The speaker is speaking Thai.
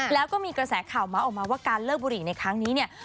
แล้วก็มีกระแสข่าวเมาส์ออกมาว่าการเลิกบุหรี่ในครั้งนี้เนี่ย